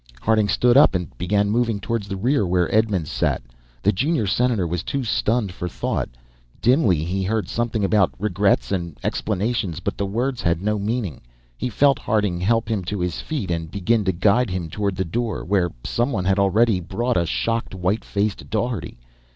Harding stood up and began moving towards the rear where Edmonds sat. The junior senator was too stunned for thought. Dimly he heard something about regrets and explanations, but the words had no meaning. He felt Harding help him to his feet and begin to guide him toward the door, where someone had already brought a shocked, white faced Daugherty.